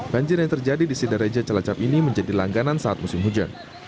banjir yang terjadi di sidareja celacap ini menjadi langganan saat musim hujan